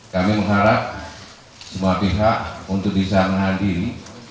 kami mengharap semua pihak untuk bisa menghadiri